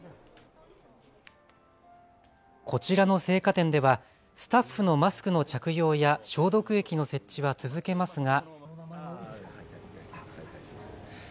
こちらの生花店ではスタッフのマスクの着用や消毒液の設置は続けますが。